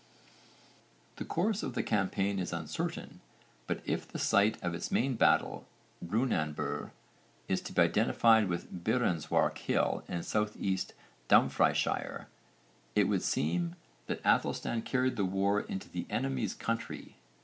The course of the campaign is uncertain but if the site of its main battle, 'Brunanburh,' is to be identified with Birrenswark Hill in S.E. Dumfriesshire, it would seem that Aethelstan carried the war into the enemy's country.